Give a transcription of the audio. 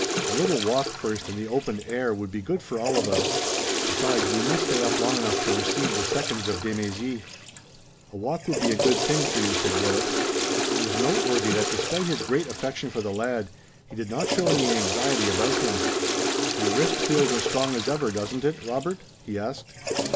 A little walk first in the open air would be good for all of us. Besides we must stay up long enough to receive the seconds of de Mézy." "A walk would be a good thing for you," said Willet it was noteworthy that despite his great affection for the lad, he did not show any anxiety about him. "Your wrist feels as strong as ever, doesn't it, Robert?" he asked.